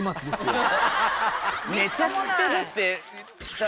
めちゃくちゃだって。